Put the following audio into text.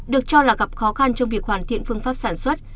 được cho là gặp khó khăn trong việc hoàn thiện phương pháp sản xuất